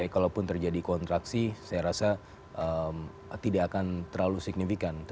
kalaupun terjadi kontraksi saya rasa tidak akan terlalu signifikan